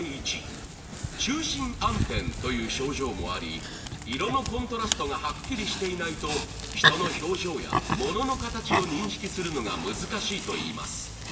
「中心暗点」という症状もあり色のコントラストがはっきりしていないと人の表情や物の形を認識するのが難しいといいます。